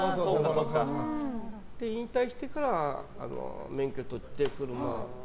引退してから免許取って。